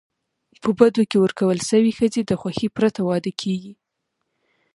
په بدو کي ورکول سوي ښځي د خوښی پرته واده کيږي.